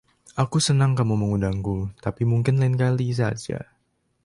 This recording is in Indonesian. Aku senang kamu mengundangku, tapi mungkin lain kali saja.